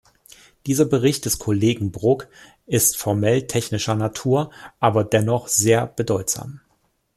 Dieser Bericht des Kollegen Brok ist formell technischer Natur, aber dennoch sehr bedeutsam.